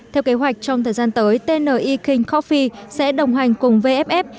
theo kế hoạch trong thời gian tới tni king coffee sẽ đồng hành cùng vff